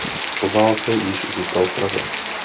Po válce již zůstal v Praze.